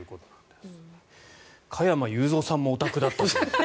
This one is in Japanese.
加山雄三さんもオタクだったと。